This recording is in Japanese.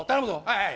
はい